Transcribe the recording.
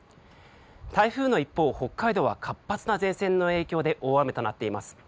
台風の一方、北海道は活発な前線の影響で大雨となっています。